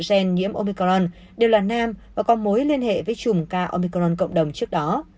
ba người thân nhiễm omicron đều là nam và còn mối liên hệ với trùm ca omicron cộng đồng trước đó